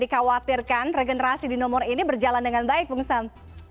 saya khawatirkan regenerasi di nomor ini berjalan dengan baik beng sam